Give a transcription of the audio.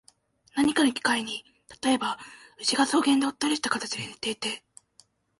何かの機会に、例えば、牛が草原でおっとりした形で寝ていて、